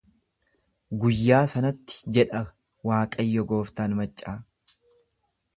Guyyaa sanatti jedha Waaqayyo gooftaan maccaa.